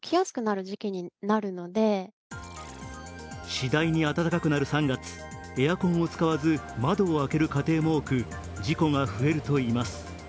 次第に暖かくなる３月、エアコンを使わず窓を開ける家庭も多く事故が増えるといいます。